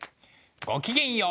ごきげんよう。